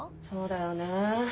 そうだよね。